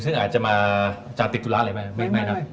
ซึ่งอาจจะมาอาจารย์ติดตุลาอะไรไหมไม่